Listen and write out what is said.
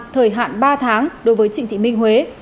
thời hạn ba tháng đối với trịnh thị minh huế